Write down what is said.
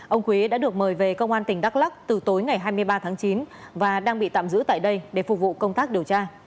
ông quý đã được mời về công an tỉnh đắk lắc từ tối ngày hai mươi ba tháng chín và đang bị tạm giữ tại đây để phục vụ công tác điều tra